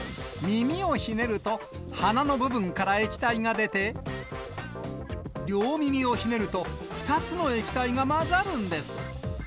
耳をひねると、鼻の部分から液体が出て、両耳をひねると、２つの液体が混ざるんです。